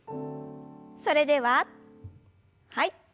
それでははい。